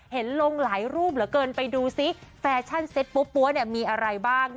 ลงหลายรูปเหลือเกินไปดูซิแฟชั่นเซ็ตปั๊วมีอะไรบ้าง